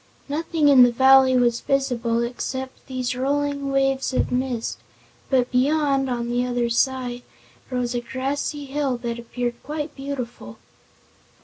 Nothing in the valley was visible except these rolling waves of mist, but beyond, on the other side, rose a grassy hill that appeared quite beautiful.